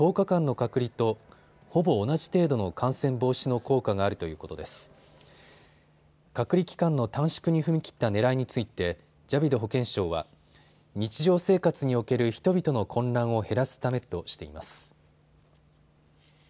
隔離期間の短縮に踏み切ったねらいについてジャビド保健相は日常生活における人々の混乱を減らすためとしています。